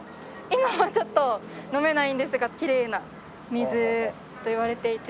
今はちょっと飲めないんですがきれいな水といわれていて。